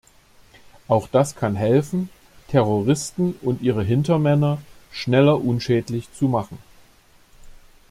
Auch das kann helfen, Terroristen und ihre Hintermänner schneller unschädlich zu machen.